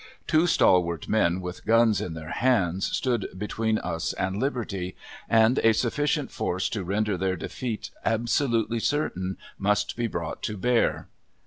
Two stalwart men with guns in their hands, stood between us and liberty, and a sufficient force to render their defeat absolutely certain must be brought to bear.